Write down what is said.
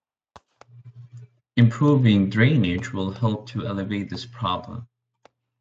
Improving drainage will help to alleviate this problem.